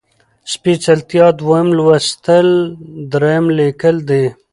سپېڅلتيا ، دويم لوستل ، دريم ليکل دي